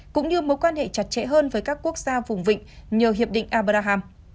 cũng như mối quan hệ chặt chẽ hơn với các quốc gia vùng vịnh nhờ hiệp định abraham